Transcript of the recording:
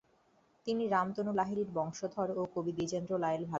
তিনি রামতনু লাহিড়ীর বংশধর ও কবি দ্বিজেন্দ্রলাল রায়ের ভাগিনা।